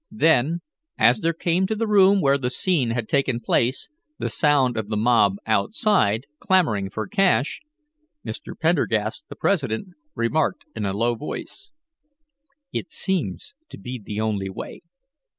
Then, as there came to the room where the scene had taken place, the sound of the mob outside, clamoring for cash, Mr. Pendergast, the president, remarked in a low voice: "It seems to be the only way.